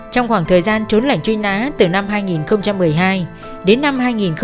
trong khoảng thời gian trốn lệnh truy nã từ năm hai nghìn một mươi hai đến năm hai nghìn một mươi bảy